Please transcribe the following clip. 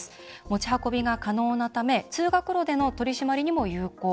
持ち運びが可能なため通学路での取り締まりにも有効。